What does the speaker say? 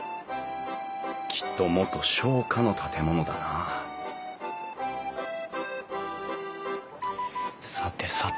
きっと元商家の建物だなさてさて